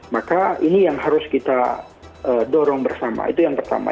maka ini yang harus kita dorong bersama itu yang pertama